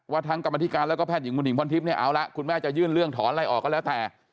ทั้งกรรมธิการแล้วก็แพทย์หญิงคุณหญิงพรทิพย์เนี่ยเอาละคุณแม่จะยื่นเรื่องถอนอะไรออกก็แล้วแต่